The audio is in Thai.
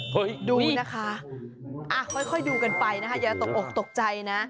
เฮ้ยนี่โอ้นี่นะคะอ้ะค่อยดูกันไปนะอยากตกใจนะ